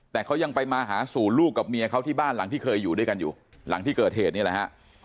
แต่เขายังไปมาหาสู่ลูกกับเมียเขาที่บ้านหลังที่เคยอยู่ด้วยกันอยู่หลังที่เกิดเหตุนี่แหละฮะ